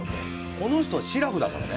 この人はしらふだからね。